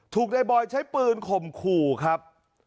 ถูกนายบอยใช้ปืนข่มขู่ครับ